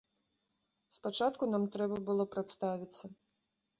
Спачатку нам трэба было прадставіцца.